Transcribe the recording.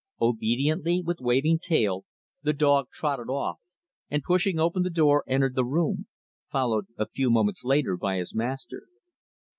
Obediently, with waving tail, the dog trotted off, and pushing open the door entered the room; followed a few moments later by his master.